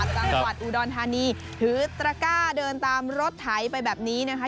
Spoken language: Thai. จังหวัดอุดรธานีถือตระก้าเดินตามรถไถไปแบบนี้นะคะ